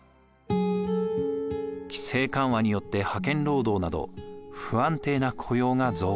規制緩和によって派遣労働など不安定な雇用が増加。